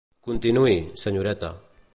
Continuï, senyoreta.